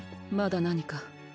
まだ何か？